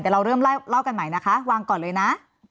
แต่เราเริ่มเล่ากันใหม่นะคะวางก่อนเลยนะ